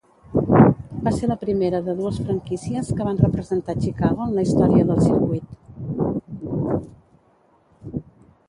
Va ser la primera de dues franquícies que van representar Chicago en la història del circuit.